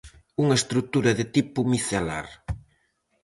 Unha estrutura de tipo micelar.